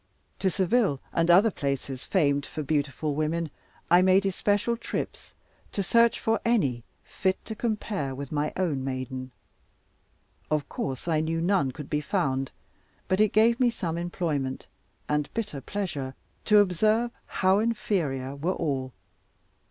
To Seville, and other places famed for beautiful women, I made especial trips, to search for any fit to compare with my own maiden. Of course I knew none could be found; but it gave me some employment, and bitter pleasure, to observe how inferior were all.